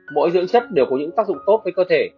mỗi dưỡng chất đều có những tác dụng tốt với cơ thể